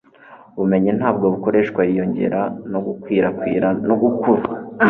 ubumenyi ntabwo bukoreshwa. yiyongera no gukwirakwira no gukura